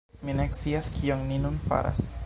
Mi ne scias kion ni nun faras...